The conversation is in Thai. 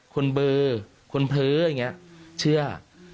เบอร์คนเพ้ออย่างนี้เชื่อ